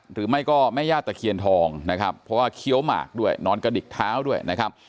หรือไม่ก็แม่ญาติตะเคียนทองนะครับเพราะว่าเคี้ยวหมากด้วยนอนกระดิกเท้าด้วยนะครับ